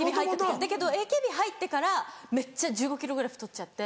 だけどＡＫＢ入ってからめっちゃ１５ｋｇぐらい太っちゃって。